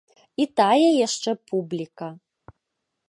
І тая яшчэ публіка.